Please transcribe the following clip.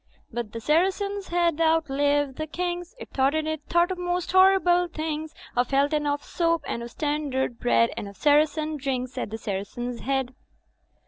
' "But the Saracen's Head outlived the Kings, It thought and it thought of most horrible things ; Of Health and of Soap and of Standard Bread, And of Saracen drinks at the Saracen's Head."